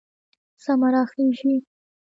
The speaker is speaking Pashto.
سمه راخېژي